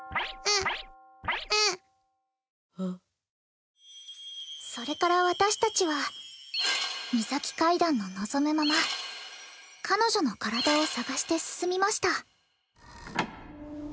あそれから私達はミサキ階段の望むまま彼女の体を捜して進みました